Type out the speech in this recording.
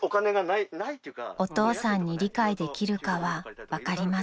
［お父さんに理解できるかは分かりません］